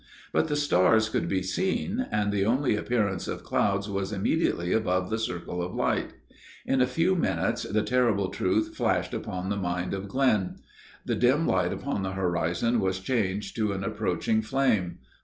But the stars could be seen, and the only appearance of clouds was immediately above the circle of light. In a very few minutes the terrible truth flashed upon the mind of Glenn. The dim light along the horizon was changed to an approaching flame.